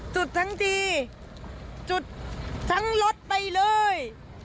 จุดทั้งทีจุดทั้งรถไปเลย